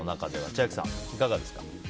千秋さん、いかがですか。